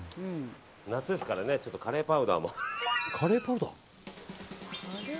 夏ですからねカレーパウダーも。